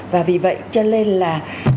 và vì vậy cho nên là